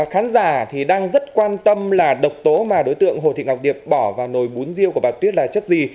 khán giả thì đang rất quan tâm là độc tố mà đối tượng hồ thị ngọc điệp bỏ vào nồi bún rêu của bà tuyết là chất gì